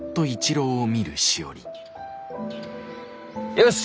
よし。